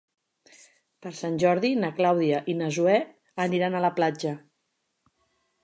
Per Sant Jordi na Clàudia i na Zoè aniran a la platja.